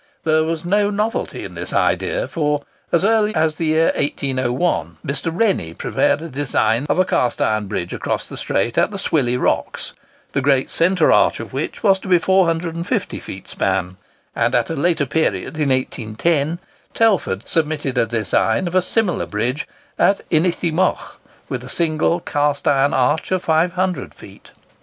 There was no novelty in this idea; for, as early as the year 1801, Mr. Rennie prepared a design of a cast iron bridge across the Strait at the Swilly rocks, the great centre arch of which was to be 450 feet span; and at a later period, in 1810, Telford submitted a design of a similar bridge at Inys y Moch, with a single cast iron arch of 500 feet.